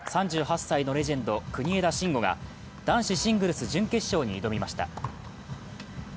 ３８歳のレジェンド・国枝慎吾が男子シングルス準決勝に挑みました。